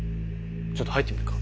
ちょっと入ってみるか。